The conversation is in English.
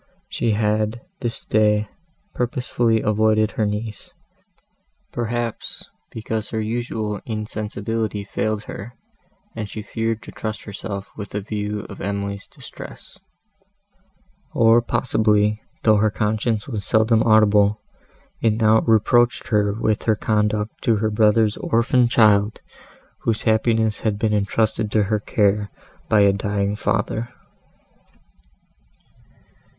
She had, this day, purposely avoided her niece; perhaps, because her usual insensibility failed her, and she feared to trust herself with a view of Emily's distress; or possibly, though her conscience was seldom audible, it now reproached her with her conduct to her brother's orphan child, whose happiness had been entrusted to her care by a dying father.